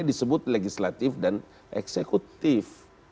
karena disebut legislatif dan eksekutif